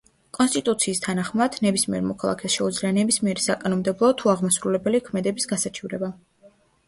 კონსტიტუციის თანახმად, ნებისმიერ მოქალაქეს შეუძლია ნებისმიერი საკანონმდებლო თუ აღმასრულებელი ქმედების გასაჩივრება.